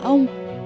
là không thể phục